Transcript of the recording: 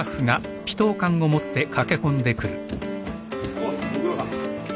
おうご苦労さん。